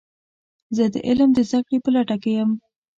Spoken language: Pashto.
زه د علم د زده کړې په لټه کې یم.